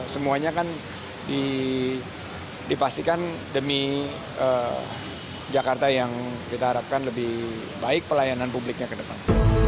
semuanya kan dipastikan demi jakarta yang kita harapkan lebih baik pelayanan publiknya ke depan